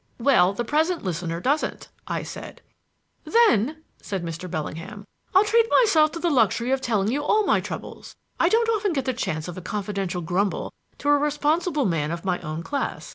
"Well, the present listener doesn't," I said. "Then," said Mr. Bellingham, "I'll treat myself to the luxury of telling you all my troubles; I don't often get the chance of a confidential grumble to a responsible man of my own class.